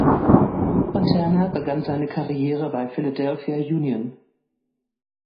Fontana begann seine Karriere bei Philadelphia Union.